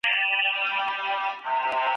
« دوه غوايي چي ښکر په ښکر سي په پټي کي